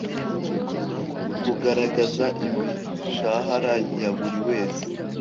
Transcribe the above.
kugaragaza imishahara ya buri wese